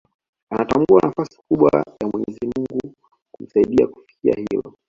Anatambua nafasi kubwa ya mwenyezi Mungu kumsaidia kuafikia hilo